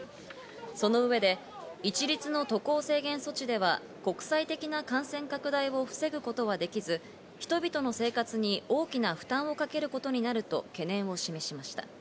その上で一律の渡航制限措置では、国際的な感染拡大を防ぐことはできず、人々の生活に大きな負担をかけることになると懸念を示しました。